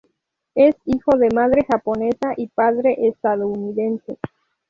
Es hijo de madre japonesa y padre estadounidense.